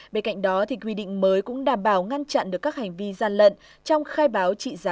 bên cạnh đó quy định mới cũng đảm bảo ngăn chặn được các hành vi gian lận trong khai báo trị giá